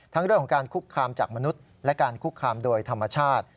เรื่องของการคุกคามจากมนุษย์และการคุกคามโดยธรรมชาติ